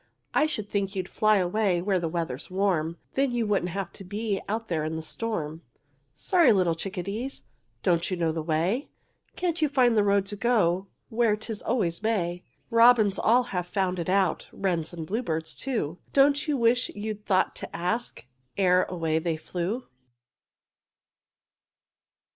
I should think you'd fly away Where the weather's warm, Then you wouldn't have to be Out there in the storm. Sorry little chickadees, Don't you know the way? Can't you find the road to go Where 'tis always May? Robins all have found it out, Wrens and bluebirds too, Don't you wish you'd thought to ask Ere away they flew?